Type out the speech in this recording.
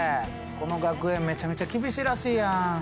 この学園めちゃめちゃ厳しいらしいやん。